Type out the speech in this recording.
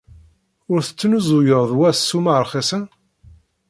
Ur tesnuzuyeḍ wa s ssuma rxisen?